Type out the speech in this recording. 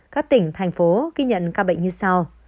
các tỉnh thành phố ghi nhận ca bệnh như sau